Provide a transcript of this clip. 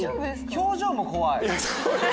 表情も怖い。